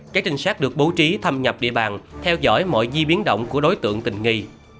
các trinh sát được bố trí thâm nhập địa bàn theo dõi mọi di biến động của đối tượng tình nghi